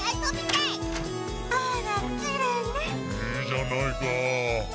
いいじゃないか。